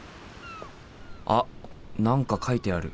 あっ何か書いてある。